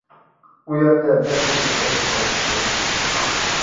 ئۇ يەردە بەش يىل ئوقۇپ قايتىپ كېلىدۇ.